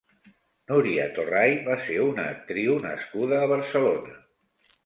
Núria Torray va ser una actriu nascuda a Barcelona.